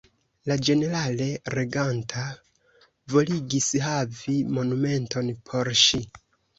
La ĝenerale reganta voligis havi monumenton por ŝi.